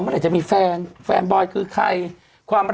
เมื่อไหร่จะมีแฟนแฟนบอยคือใครความรัก